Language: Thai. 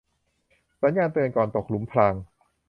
สัญญาณเตือนก่อนตกหลุมพราง